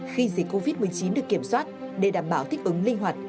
khi dịch covid một mươi chín được kiểm soát để đảm bảo thích ứng linh hoạt